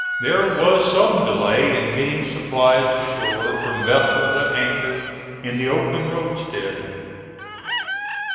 There was some delay in getting supplies ashore from vessels at anchor in the open roadstead.